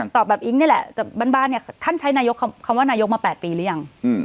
ตอบแบบอิ๊งนี่แหละบ้านท่านใช้คำว่านายกมา๘ปีหรือยัง